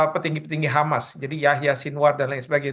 petinggi petinggi hamas jadi yahya sinuar dan lain sebagainya